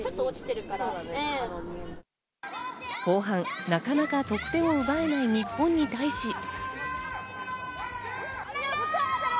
後半なかなか得点を奪えない日本に対し。